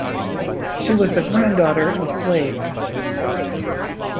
She was the granddaughter of slaves.